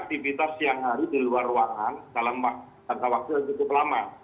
aktivitas siang hari di luar ruangan dalam jangka waktu yang cukup lama